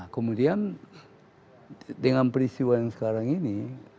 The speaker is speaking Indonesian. kemudian dengan peristiwa yang sekarang ini